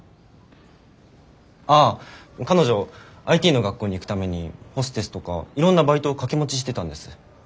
ああ彼女ＩＴの学校に行くためにホステスとかいろんなバイトを掛け持ちしてたんです。